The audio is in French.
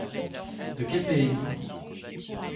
De quel pays êtes-vous?